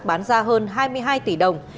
bán ra hơn hai mươi hai tỷ đồng